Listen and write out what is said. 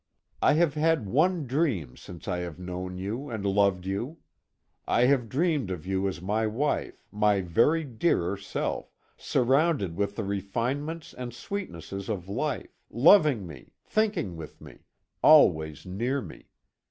I have had one dream since I have known you and loved you. I have dreamed of you as my wife, my very dearer self, surrounded with the refinements and sweetnesses of life; loving me, thinking with me, always near me.